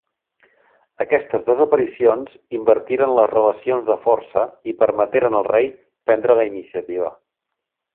Aquestes desaparicions invertiren les relacions de força i permeteren al rei prendre la iniciativa.